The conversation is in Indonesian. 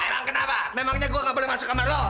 emang kenapa memangnya gue gak boleh masuk kamar lo